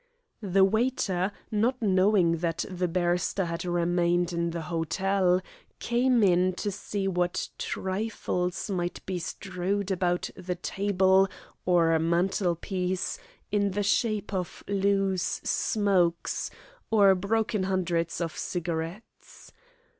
The waiter, not knowing that the barrister had remained in the hotel, came in to see what trifles might be strewed about table or mantelpiece in the shape of loose "smokes" or broken hundreds of cigarettes.